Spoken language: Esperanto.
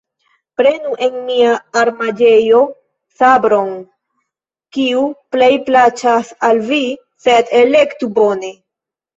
Prenu en mia armaĵejo sabron, kiu plej plaĉas al vi, sed elektu bone.